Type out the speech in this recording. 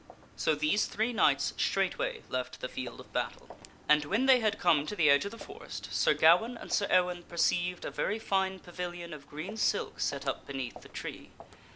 So these three knights straightway left the field of battle. And when they had come to the edge of the forest Sir Gawaine and Sir Ewaine perceived a very fine pavilion of green silk set up beneath the tree.